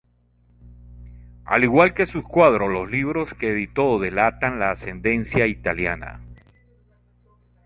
Al igual que sus cuadros, los libros que editó delatan la ascendencia italiana.